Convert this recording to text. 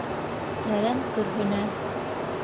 Тәрән көрһөнә.